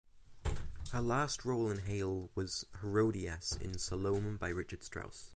Her last role in Halle was Herodias in "Salome" by Richard Strauss.